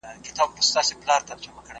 د زړه په تل کي یادولای مي سې .